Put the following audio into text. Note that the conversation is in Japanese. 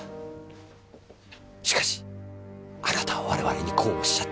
しかしあなたは我々にこうおっしゃった。